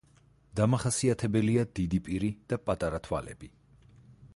დამახასიათებელია დიდი პირი და პატარა თვალები.